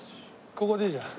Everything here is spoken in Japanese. ここでいいじゃん。